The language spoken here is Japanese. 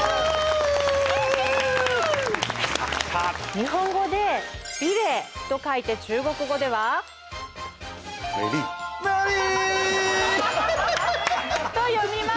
日本語で「美麗」と書いて中国語では？と読みます。